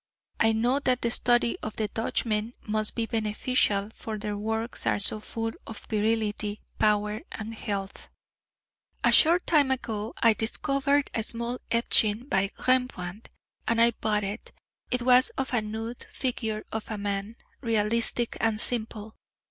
I know that the study of the Dutchmen must be beneficial; for their works are so full of virility, power and health. A short time ago I discovered a small etching by Rembrandt and I bought it. It was of a nude figure of a man, realistic and simple.